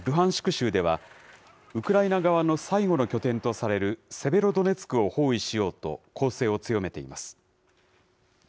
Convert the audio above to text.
州では、ウクライナ側の最後の拠点とされるセベロドネツクを包囲しようと、攻勢を強めています。